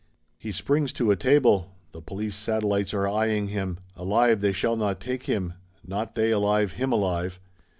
He springs to a table: the Police satellites are eyeing him; alive they shall not take him, not they alive him alive.